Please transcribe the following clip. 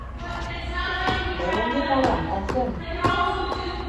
Бәрәңге ҡаҙам, әфем!